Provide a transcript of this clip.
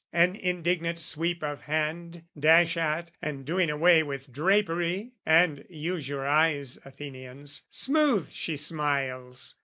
An indignant sweep of hand, Dash at and doing away with drapery, And, use your eyes, Athenians, smooth she smiles!